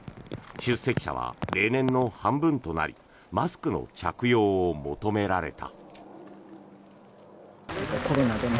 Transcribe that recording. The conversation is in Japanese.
出席者は例年の半分となりマスクの着用を求められた。